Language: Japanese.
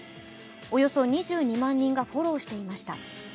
およそ２２万人がフォローしていました。